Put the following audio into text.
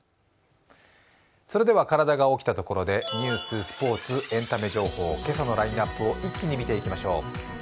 それでは体が起きたところで、ニュース、スポーツ、エンタメ情報、今朝のラインナップを一気に見ていきましょう。